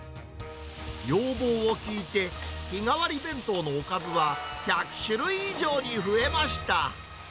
要望を聞いて、日替わり弁当のおかずは１００種類以上に増えました。